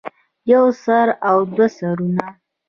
يو سر او دوه سرونه